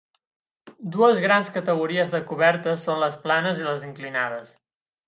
Dues grans categories de cobertes són les planes i les inclinades.